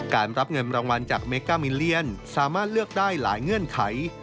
รับเงินรางวัลจากเมกามิเลียนสามารถเลือกได้หลายเงื่อนไข